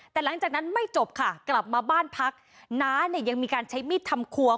แต่หลังจากนั้นไม่จบค่ะกลับมาบ้านพักน้าเนี่ยยังมีการใช้มีดทำครัว